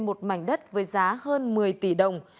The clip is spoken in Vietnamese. một mảnh đất với giá hơn một mươi tỷ đồng